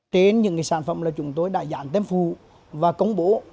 trên những sản phẩm là chúng tôi đã dán tém phù và công bố